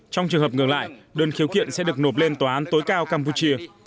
trong trường hợp ngừng lại đơn khiếu kiện sẽ được nộp lên tòa án tối cao campuchia